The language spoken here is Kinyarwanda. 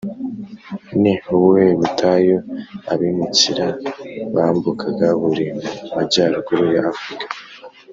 ni ubuhe butayu abimukira bambukaga buri mu majyaruguru ya afurika’